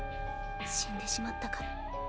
死んでしまったから。